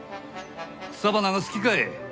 草花が好きかえ？